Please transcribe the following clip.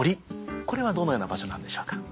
これはどのような場所なんでしょうか？